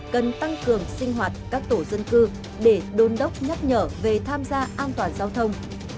cần tăng cường sinh hoạt các tổ dân cư để đôn đốc nhắc nhở về tham gia an toàn giao thông